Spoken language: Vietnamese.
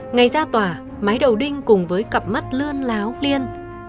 ngày ra tòa máy đầu đinh cùng với cặp mắt lươn láo liên